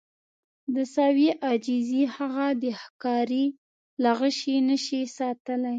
د سویې عاجزي هغه د ښکاري له غشي نه شي ساتلی.